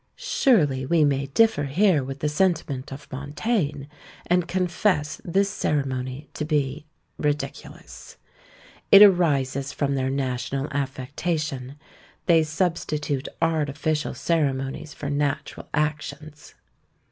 Surely we may differ here with the sentiment of Montaigne, and confess this ceremony to be ridiculous. It arises from their national affectation. They substitute artificial ceremonies for natural actions.